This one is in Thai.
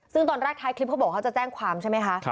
ซึ่งตอนแรกท้ายคลิปเขาบอกเขาจะแจ้งความใช่ไหมคะ